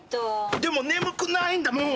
でも眠くないんだもん。